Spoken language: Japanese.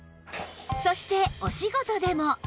そしてお仕事でも